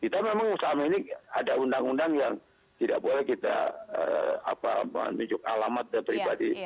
kita memang usaha menik ada undang undang yang tidak boleh kita apa menunjuk alamat dan pribadi